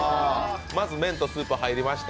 まず麺とスープ、入りました。